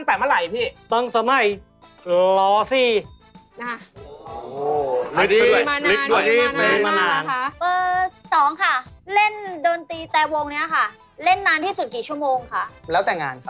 อ้าวคุณซ้ำเลยเหรอ